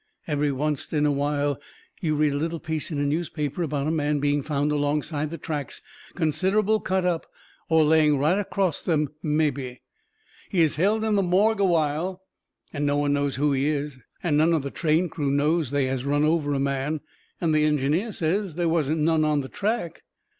Every oncet in a while you read a little piece in a newspaper about a man being found alongside the tracks, considerable cut up, or laying right acrost them, mebby. He is held in the morgue a while and no one knows who he is, and none of the train crew knows they has run over a man, and the engineer says they wasn't none on the track.